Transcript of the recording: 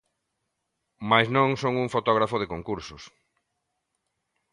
Mais non son un fotógrafo de concursos.